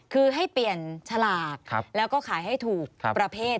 คือให้เปลี่ยนฉลากแล้วก็ขายให้ถูกประเภท